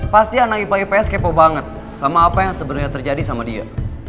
pasti anak ipa ips kepo banget sama apa yang sebenarnya terjadi sama dia